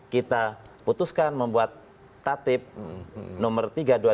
kita putuskan membuat tatib nomor tiga dua ribu tujuh belas